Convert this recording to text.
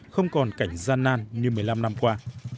không còn cảnh gian nan như một mươi năm năm qua